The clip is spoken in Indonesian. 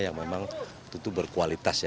yang memang tentu berkualitas